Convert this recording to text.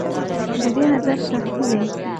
د ده نظر شخصي دی.